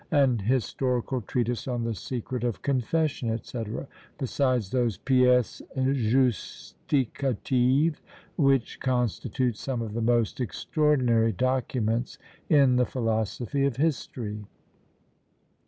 an historical treatise on the secret of confession, &c. besides those "Pièces Justificatives," which constitute some of the most extraordinary documents in the philosophy of history.